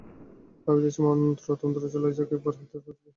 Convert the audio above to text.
ভাবিতেছে মন্ত্রতন্ত্র চুলায় যাক, একবার হাতের কাছে পাই তো মনের সাধ মিটাই।